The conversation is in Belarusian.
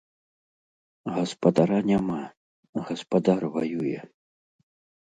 Гаспадара няма, гаспадар ваюе.